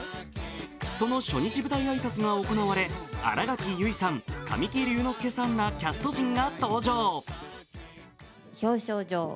その初日舞台挨拶が行われ新垣結衣さん、神木隆之介さんらキャスト陣が登場。